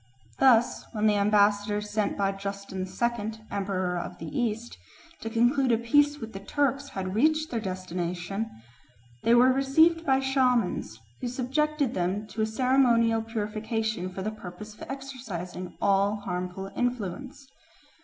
Thus, when the ambassadors sent by Justin II., Emperor of the East, to conclude a peace with the Turks had reached their destination, they were received by shamans, who subjected them to a ceremonial purification for the purpose of exorcising all harmful influence.